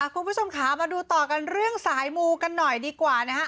คุณผู้ชมค่ะมาดูต่อกันเรื่องสายมูกันหน่อยดีกว่านะฮะ